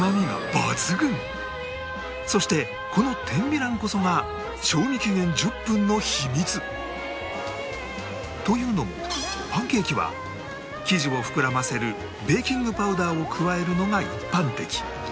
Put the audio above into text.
そしてこの天美卵こそが賞味期限１０分の秘密というのもパンケーキは生地を膨らませるベーキングパウダーを加えるのが一般的